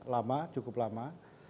lama cukup lama